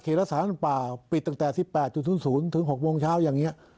เขรักสารป่าวปิดตั้งแต่๑๘จุดศูนย์ถึง๖โมงเช้าอย่างนี้